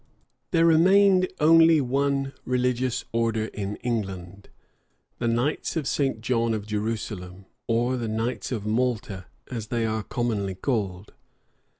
There remained only one religious order in England; the knights of St. John of Jerusalem, or the knights of Malta, as they are commonly called.